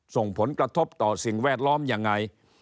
ส่งผลกระทบต่อสิ่งแวดล้อมยังไง